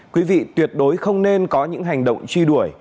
quý vị tuyệt đối không nên có những hành động truy đuổi